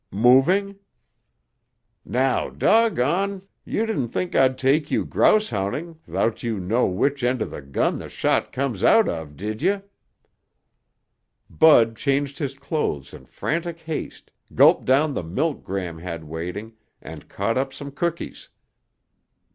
"Moving?" "Now doggone! You didn't think I'd take you grouse hunting 'thout you know which end of the gun the shot comes out of, did you?" Bud changed his clothes in frantic haste, gulped down the milk Gram had waiting and caught up some cookies.